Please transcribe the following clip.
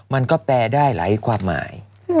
มันก็แปลได้หลายความหมาย